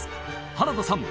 原田さん